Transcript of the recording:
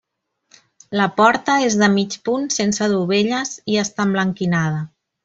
La porta és de mig punt sense dovelles i està emblanquinada.